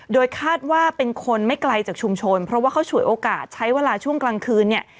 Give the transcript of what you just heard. โดยคาดว่าเป็นคนไม่ไกลจากชุมชนเพราะว่าเขาฉวยโอกาสใช้เวลาช่วงกลางคืนเนี่ย